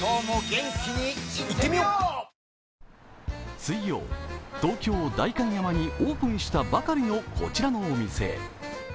水曜、東京・代官山にオープンしたばかりのこちらのお店。